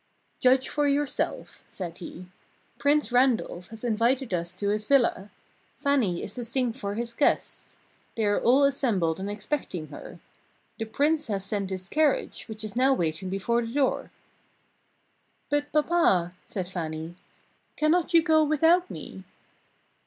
"Judge for yourself," said he. "Prince Pandolph has invited us to his villa. Fannie is to sing for his guests. They are all assembled and expecting her. The Prince has sent his carriage which is now waiting before the door." "But, Papa," said Fannie, "cannot you go without me?"